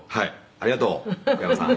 ありがとう福山さん」